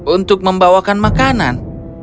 untuk membawakan makanan